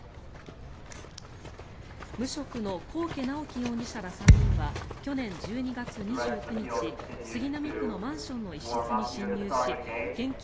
無職の幸家直樹容疑者ら３人は去年１２月２９日杉並区のマンションの一室に侵入し現金